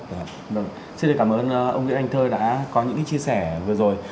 vâng xin cảm ơn ông nguyễn anh thơ đã có những cái chia sẻ vừa rồi